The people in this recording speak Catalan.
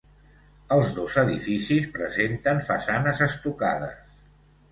Els dos edificis presenten façanes estucades.